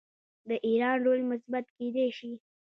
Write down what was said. د ایران رول مثبت کیدی شي.